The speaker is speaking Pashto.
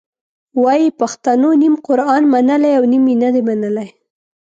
وایي پښتنو نیم قرآن منلی او نیم یې نه دی منلی.